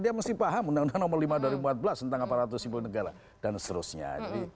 dia mesti paham undang undang nomor lima dua ribu empat belas tentang aparatur sipil negara dan seterusnya